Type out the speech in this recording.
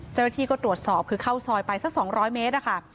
เจ้าหน้าที่ก็ตรวจสอบคือเข้าซอยไปสัก๒๐๐เมตรนะคะ